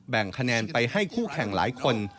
คะแนนไปให้คู่แข่งหลายคน